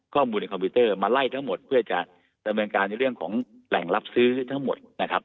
ข้อมูลในคอมพิวเตอร์มาไล่ทั้งหมดเพื่อจะดำเนินการในเรื่องของแหล่งรับซื้อทั้งหมดนะครับ